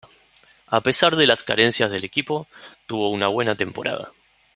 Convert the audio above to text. A pesar de las carencias del equipo, tuvo una buena temporada.